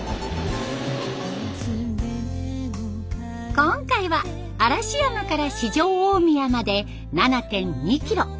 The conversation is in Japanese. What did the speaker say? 今回は嵐山から四条大宮まで７．２キロ。